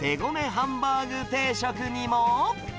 ハンバーグ定食にも。